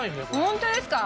ホントですか？